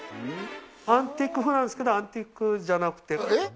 アンティーク風なんですけどアンティークじゃなくて。